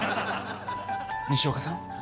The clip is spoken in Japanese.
西岡さん